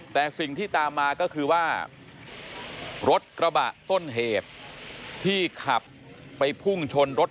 แต่สิ่งที่ตามมาก็คือว่ารถกระบะต้นเหตุที่ขับไปพุ่งชนรถ